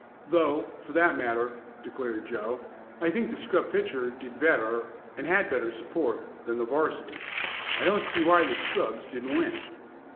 "Though, for that matter," declared Joe, "I think the scrub pitcher did better, and had better support, than the 'varsity. I don't see why the scrubs didn't win."